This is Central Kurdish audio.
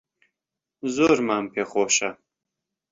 زۆرمان پێخۆشە